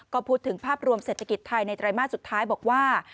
ก็พูดถึงภาพรวมเศรษฐกิจไทยในไตรมาสสุดท้ายบอกว่า